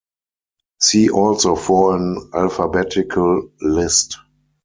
See also for an alphabetical list.